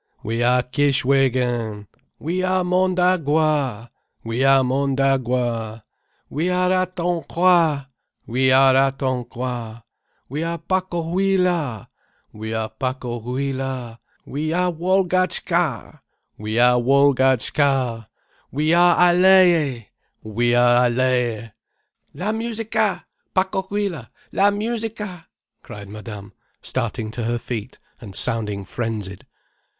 "We are Kishwégin." "WE ARE MONDAGUA." "We are Mondagua—" "WE ARE ATONQUOIS—" "We are Atonquois—" "WE ARE PACOHUILA—" "We are Pacohuila—" "WE ARE WALGATCHKA—" "We are Walgatchka—" "WE ARE ALLAYE—" "We are Allaye—" "La musica! Pacohuila, la musica!" cried Madame, starting to her feet and sounding frenzied.